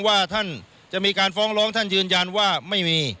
ว่าท่านจะมีการฟ้องร้องท่านยืนยันว่าไม่มี